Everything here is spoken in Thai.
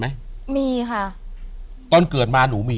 ไม่คุ้ม